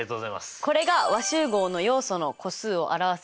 これが和集合の要素の個数を表す式になります。